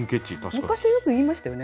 昔よく言いましたよね？